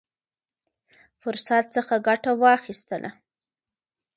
فرصت څخه ګټه واخیستله.